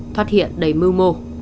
thoát hiện đầy mưu mồ